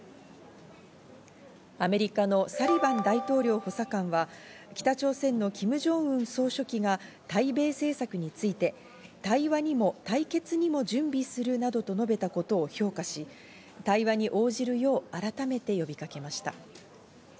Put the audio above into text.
アメリカのサリバン大統領補佐官は北朝鮮のキム・ジョンウン総書記が対米政策について、対話にも対決にも準備するなどと述べたことを評価し、対話に応じるよう、改めて呼びかけました。